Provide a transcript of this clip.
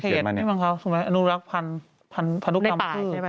เพราะมันอยู่ในเขตนี่บ้างครับสมมุติอนุรักษ์พันธุ์พันธุ์กรรมคือ